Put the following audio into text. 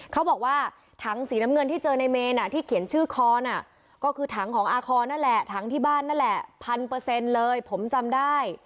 เขาบอกว่าถังสีน้ำเงินที่เจอในเมนที่เขียนชื่อคอน่ะก็คือถังของอาคอนนั่นแหละถังที่บ้านนั่นแหละพันเปอร์เซ็นต์เลยผมจำได้